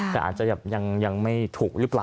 แต่อาจจะยังไม่ถูกหรือเปล่า